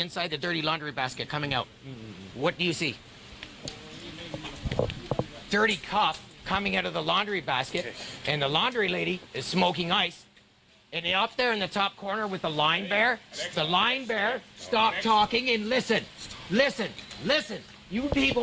ซองไอศูนย์